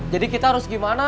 jadi kita harus gimana